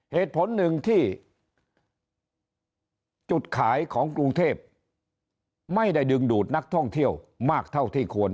เหตุผลหนึ่งที่จุดขายของกรุงเทพไม่ได้ดึงดูดนักท่องเที่ยวมากเท่าที่ควร